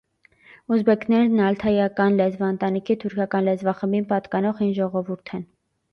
Ուզբեկներն ալթայական լեզվաընտանիքի թուրքական լեզվախմբին պատկանող հին ժողովուրդ են։